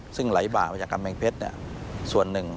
ซึ่งไหลบ่ามาจากกำแพงเพชรส่วนหนึ่ง